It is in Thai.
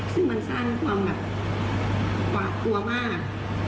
ซึ่งมันสร้างความแบบหวาดกลัวมาก